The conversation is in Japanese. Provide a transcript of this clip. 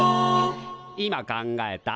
今考えた。